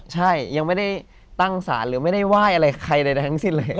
ใช่ยังไม่ได้ตั้งสารหรือไม่ได้ไหว้อะไรใครใดทั้งสิ้นเลย